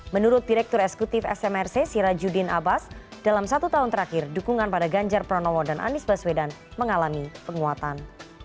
menurut direktur eksekutif smrc sirajudin abbas dalam satu tahun terakhir dukungan pada ganjar pranowo dan anies baswedan mengalami penguatan